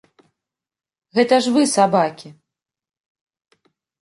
Гэта ж вы сабакі!